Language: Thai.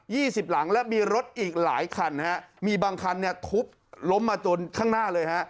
ี่สิบหลังและมีรถอีกหลายคันฮะมีบางคันเนี่ยทุบล้มมาจนข้างหน้าเลยฮะ